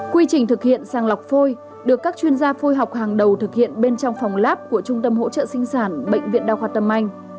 quy trình thực hiện sàng lọc phôi được các chuyên gia phôi học hàng đầu thực hiện bên trong phòng lab của trung tâm hỗ trợ sinh sản bệnh viện đa khoa tâm anh